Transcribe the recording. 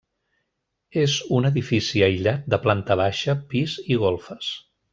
És un edifici aïllat de planta baixa, pis i golfes.